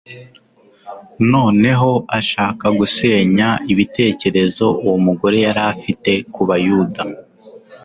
Noneho ashaka gusenya igitekerezo uwo mugore yari afite ku Bayuda.